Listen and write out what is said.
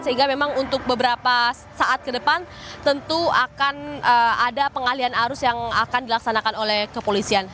sehingga memang untuk beberapa saat ke depan tentu akan ada pengalian arus yang akan dilaksanakan oleh kepolisian